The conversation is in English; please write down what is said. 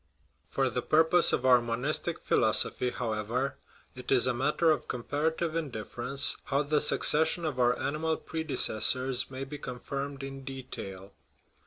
For the purpose of our monistic philosophy, however, it is a matter of comparative indifference how the suc cession of our animal predecessors may be confirmed in detail.